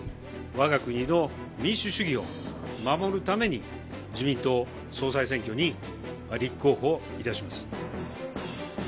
わが国の民主主義を守るために、自民党総裁選挙に立候補いたします。